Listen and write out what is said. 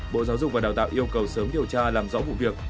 bộ giáo dục và đào tạo yêu cầu sớm điều tra làm rõ vụ việc